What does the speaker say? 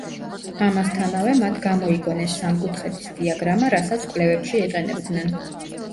ამასთანავე, მათ გამოიგონეს სამკუთხედის დიაგრამა, რასაც კვლევებში იყენებდნენ.